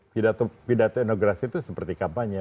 pidato pidato integrasi itu seperti kampanye